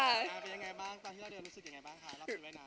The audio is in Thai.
รอบรู้สึกยังไงบ้างครับรอบสีแว่นา